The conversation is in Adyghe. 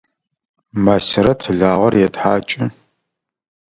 Масирэт лагъэр етхьакӏы.